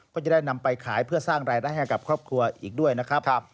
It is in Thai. ก็จะได้นำไปขายเพื่อสร้างรายได้ให้กับครอบครัวอีกด้วยนะครับ